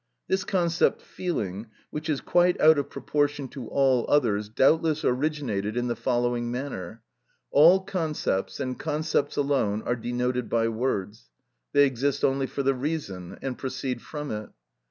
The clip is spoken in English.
This concept "feeling," which is quite out of proportion to all others, doubtless originated in the following manner. All concepts, and concepts alone, are denoted by words; they exist only for the reason, and proceed from it.